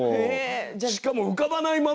しかも浮かばないまま。